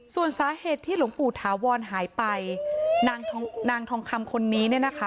ส่วนสาเหตุที่หลวงปู่ถาวรหายไปนางทองคำคนนี้เนี่ยนะคะ